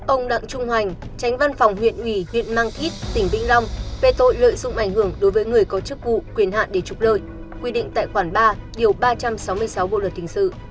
chín ông đặng trung hoành tránh văn phòng huyện ủy huyện mang thít tỉnh vĩnh long về tội lợi dụng ảnh hưởng đối với người có chức vụ quyền hạn để trục lợi quy định tại khoản ba điều ba trăm sáu mươi sáu bộ luật hình sự